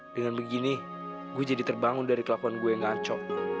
dengan begini gue jadi terbangun dari kelakuan gue yang ngaco